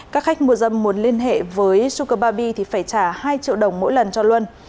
các khách mua dâm muốn liên hệ với sukobay thì phải trả hai triệu đồng mỗi lần cho luân